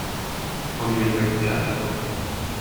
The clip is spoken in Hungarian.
Ami még megbocsátható.